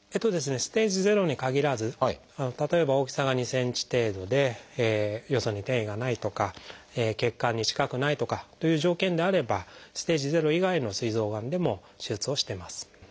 ステージ０に限らず例えば大きさが２ｃｍ程度でよそに転移がないとか血管に近くないとかという条件であればステージ０以外のすい臓がんでも手術をしてます。